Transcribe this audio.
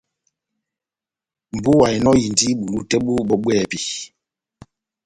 Mbúwa enɔhindi bulu tɛ́h bó bɔ́ bwɛ́hɛ́pi.